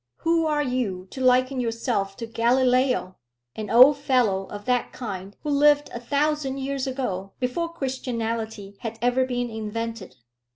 Who are you, to liken yourself to Galileo? an old fellow of that kind who lived a thousand years ago, before Christianity had ever been invented.